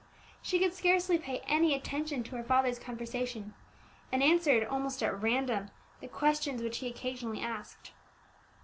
She could scarcely pay any attention to her father's conversation, and answered almost at random the questions which he occasionally asked.